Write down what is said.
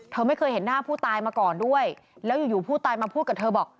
เธอไม่เคยเห็นหน้าผู้ตายมาก่อนด้วยแล้วอยู่อยู่ผู้ตายมาพูดกับเธอบอก